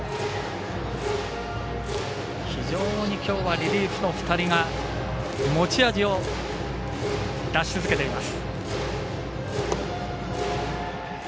非常にきょうはリリーフの２人が持ち味を出し続けています。